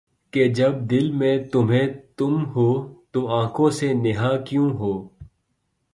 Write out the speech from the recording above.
کہ جب دل میں تمھیں تم ہو‘ تو آنکھوں سے نہاں کیوں ہو؟